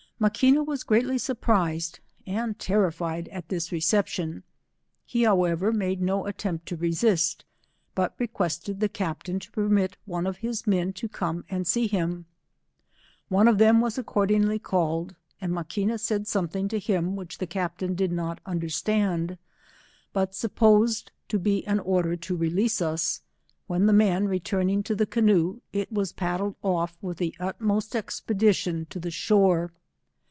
Maquina was greatly surprised and terrified at this reception ; he howe* ver, made no attempt to resist, but requested the captain to permit one of his men to come and see him. One of them was accordingly called, and Maquina said something to him which the captain did not understand, but supposed to be an order to release us, when the man returning to the canoe, it %is paddled ofif with the utmost expedition to the shore.